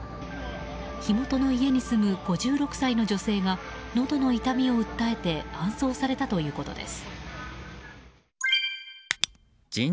火元の家に住む５６歳の女性がのどの痛みを訴えて搬送されたということです。